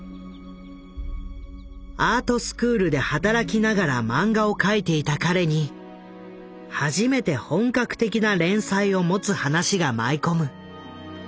アートスクールで働きながらマンガを描いていた彼に初めて本格的な連載を持つ話が舞い込む。